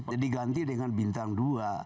jadi diganti dengan bintang dua